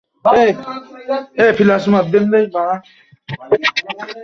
এটি চেতনা থেকে উদ্ভূত, যা জীবন্ত জিনিস বা চেতনাকে বোঝায়।